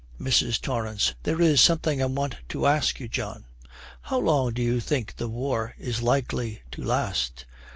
MRS. TORRANCE. 'There is something I want to ask you, John How long do you think the war is likely to last?'